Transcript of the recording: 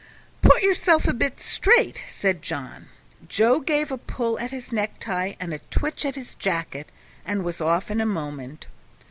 "Put yourself a bit straight," said John. Joe gave a pull at his necktie and a twitch at his jacket, and was off in a moment.